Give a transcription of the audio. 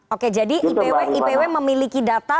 oke jadi ipw memiliki data